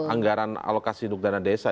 anggaran alokasi duduk dana desa